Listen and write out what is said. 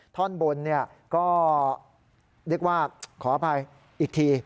ท่อนบนก็เรียกว่าขออภัยอีกที